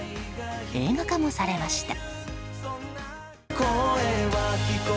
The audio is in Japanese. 映画化もされました。